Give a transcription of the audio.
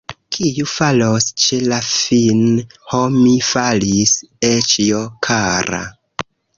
Kiu falos ĉe la fin, Ho, mi falis, oĉjo kara!